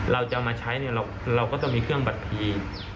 เราจะเอามาใช้เราก็ต้องมีเครื่องบัตรที